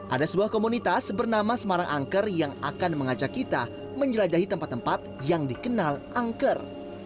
ada sebuah komunitas bernama semarang angker yang akan mengajak kita menjelajahi tempat tempat yang dikenal angker